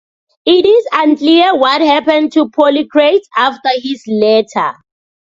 It is unclear what happened to Polycrates after his letter.